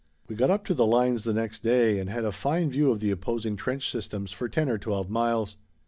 We got up to the lines the next day and had a fine view of the opposing trench systems for ten or twelve miles.